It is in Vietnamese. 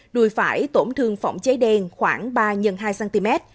đùi phải tổn thương phỏng cháy đen khoảng ba x hai cm